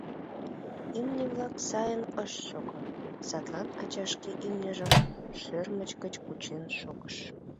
Имне-влак сайын ышт шого, садлан ача шке имньыжым шӧрмыч гыч кучен шогыш.